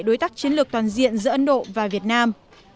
đối tác chiến lược toàn diện giữa ấn độ và việt nam